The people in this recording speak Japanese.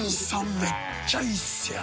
めっちゃいいっすやん！